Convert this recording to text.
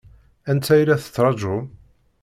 Anta i la tettṛaǧum?